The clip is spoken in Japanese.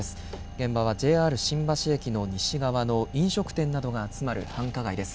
現場はＪＲ新橋駅の西側の飲食店などが集まる繁華街です。